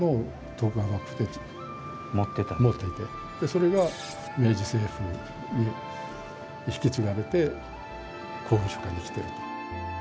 それが明治政府に引き継がれて公文書館に来ていると。